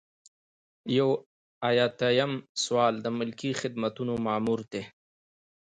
یو ایاتیام سوال د ملکي خدمتونو مامور دی.